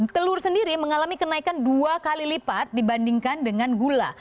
telur sendiri mengalami kenaikan dua kali lipat dibandingkan dengan gula